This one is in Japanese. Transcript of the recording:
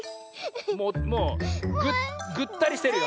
もうぐったりしてるよ